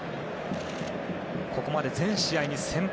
ここまで全試合に先発。